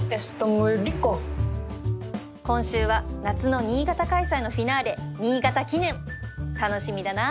今週は夏の新潟開催のフィナーレ新潟記念楽しみだな！